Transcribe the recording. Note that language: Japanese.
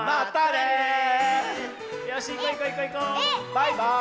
バイバーイ！